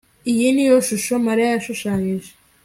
iyi niyo shusho mariya yashushanyije